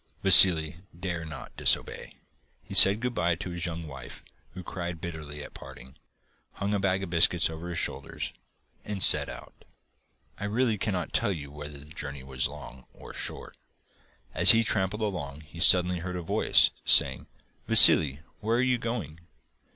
Vassili dared not disobey. He said good bye to his young wife, who cried bitterly at parting, hung a bag of biscuits over his shoulders, and set out. I really cannot tell you whether the journey was long or short. As he tramped along he suddenly heard a voice saying: 'Vassili! where are you going?